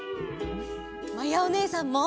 まやおねえさんも！